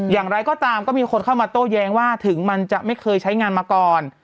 อย่างไรก็ตามก็มีคนเข้ามาโต้แย้งว่าถึงมันจะไม่เคยใช้งานมาก่อน